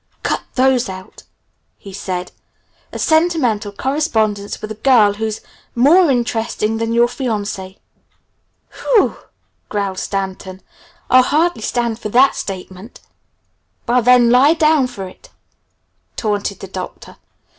"Cut those out," he said. "A sentimental correspondence with a girl who's more interesting than your fiancée!" "W h e w!" growled Stanton, "I'll hardly stand for that statement." "Well, then lie down for it," taunted the Doctor.